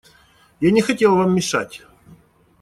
Я не хотел вам мешать.